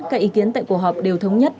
các ý kiến tại cuộc họp đều thống nhất